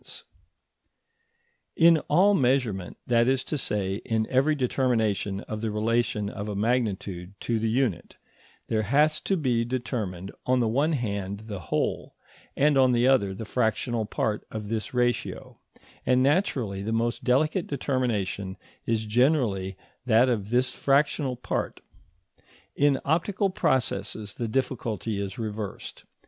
ED.] In all measurement, that is to say in every determination of the relation of a magnitude to the unit, there has to be determined on the one hand the whole, and on the other the fractional part of this ratio, and naturally the most delicate determination is generally that of this fractional part. In optical processes the difficulty is reversed.